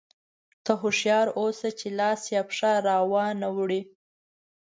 ته هوښیار اوسه چې لاس یا پښه را وانه وړې.